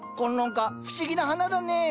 崑崙花不思議な花だね。